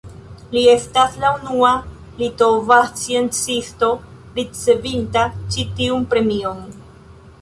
Li estas la unua litova sciencisto ricevinta ĉi tiun premion.